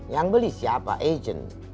yang beli siapa ejen